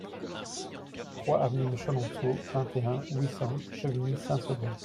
trois avenue de Chenonceaux, vingt et un, huit cents, Chevigny-Saint-Sauveur